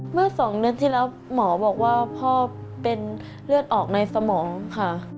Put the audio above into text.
เมื่อ๒เดือนที่แล้วหมอบอกว่าพ่อเป็นเลือดออกในสมองค่ะ